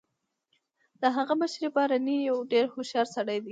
د هغه مشر بارني یو ډیر هوښیار سړی دی